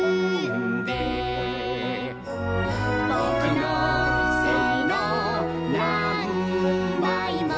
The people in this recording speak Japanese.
「ぼくのせいのなんばいも」